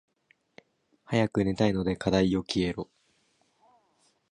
早く寝たいので課題よ消えろ。